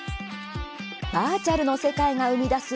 バーチャルの世界が生み出す